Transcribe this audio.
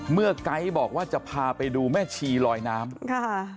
ไก๊บอกว่าจะพาไปดูแม่ชีลอยน้ำค่ะ